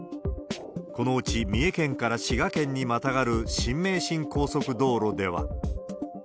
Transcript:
このうち、三重県から滋賀県にまたがる新名神高速道路では。